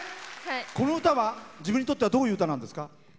この歌は、自分にとってはどういう歌なんですか。